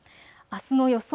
あすの予想